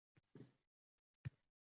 Vaqti-soati yetib, ayol vafot etibdi.